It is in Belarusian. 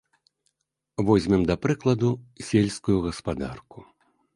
Возьмем, да прыкладу, сельскую гаспадарку.